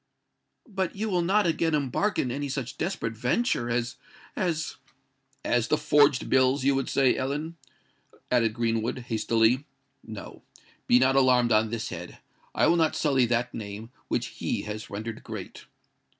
"But you will not again embark in any such desperate venture as—as——" "As the forged bills, you would say, Ellen," added Greenwood, hastily. "No:—be not alarmed on this head. I will not sully that name which he has rendered great."